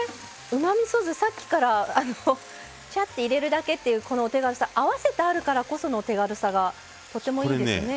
うまみそ酢さっきからあのちゃって入れるだけっていうこのお手軽さ合わせてあるからこその手軽さがとてもいいですね。